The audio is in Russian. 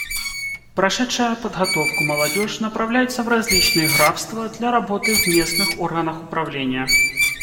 Прошедшая подготовку молодежь направляется в различные графства для работы в местных органах управления.